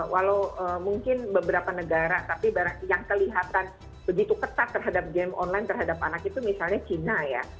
walau mungkin beberapa negara tapi yang kelihatan begitu ketat terhadap game online terhadap anak itu misalnya cina ya